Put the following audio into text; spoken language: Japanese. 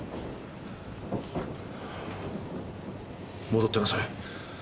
戻ってなさい。